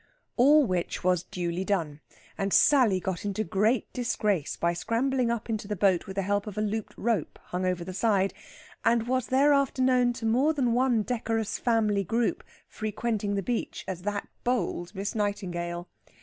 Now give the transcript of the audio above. All which was duly done, and Sally got into great disgrace by scrambling up into the boat with the help of a looped rope hung over the side, and was thereafter known to more than one decorous family group frequenting the beach as that bold Miss Nightingale.